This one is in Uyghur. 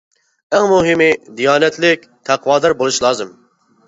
ئەڭ مۇھىمى، دىيانەتلىك، تەقۋادار بولۇش لازىم.